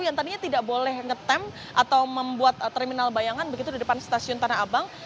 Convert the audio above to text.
yang tadinya tidak boleh ngetem atau membuat terminal bayangan begitu di depan stasiun tanah abang